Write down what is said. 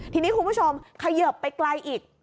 ทีนี้คุณผู้ชมเขยิบไปไกลอีก